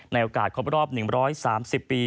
โอกาสครบรอบ๑๓๐ปี